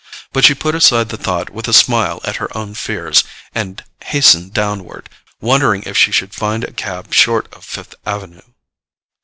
But she put aside the thought with a smile at her own fears, and hastened downward, wondering if she should find a cab short of Fifth Avenue.